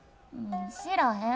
知らへん。